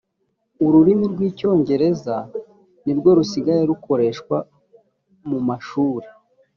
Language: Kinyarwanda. ururimi rw’ icyongereza nirwo rusigaye rukoreshwa mu mashuri